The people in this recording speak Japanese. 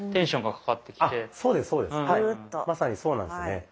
まさにそうなんですよね。